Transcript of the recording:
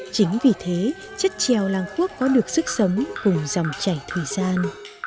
chính vì thế chất trèo làng quốc có được sức sống cùng dòng chảy thời gian